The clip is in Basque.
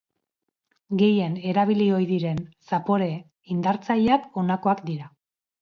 Gehien erabili ohi diren zapore indartzaileak honakoak dira.